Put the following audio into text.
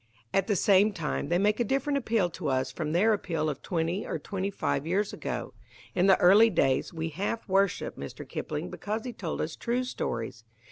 At the same time, they make a different appeal to us from their appeal of twenty or twenty five years ago. In the early days, we half worshipped Mr. Kipling because he told us true stories.